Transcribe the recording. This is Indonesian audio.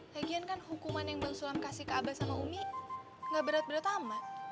lagian kan hukuman yang bang sula kasih ke aba sama umi nggak berat berat sama